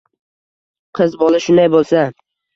Qiz bola shunday bo‘lsa!